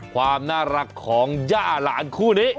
ความน่ารักของย่าหลานคู่นี้